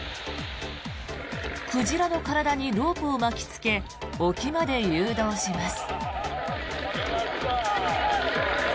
鯨の体にロープを巻きつけ沖まで誘導します。